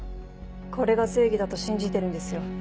これが正義だと信じてるんですよ。